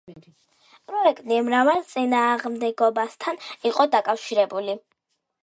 პროექტი მრავალ წინააღმდეგობასთან იყო დაკავშირებული.